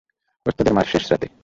ওস্তাদের মার শেষ রাতে।